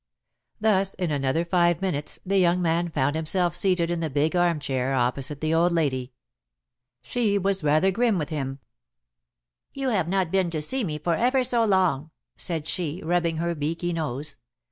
Thus in another five minutes the young man found himself seated in the big armchair opposite the old lady. She was rather grim with him. "You have not been to see me for ever so long," said she, rubbing her beaky nose.